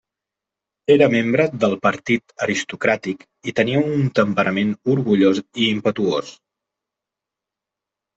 Era membre del partit aristocràtic i tenia un temperament orgullós i impetuós.